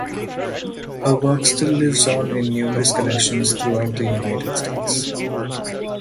Her works still live on in numerous collections throughout the United States.